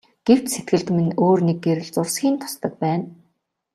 Гэвч сэтгэлд минь өөр нэг гэрэл зурсхийн тусдаг байна.